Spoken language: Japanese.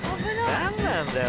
何なんだよ